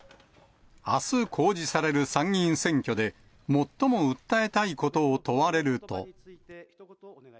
あす公示される参議院選挙で、最も訴えたいことを問われると。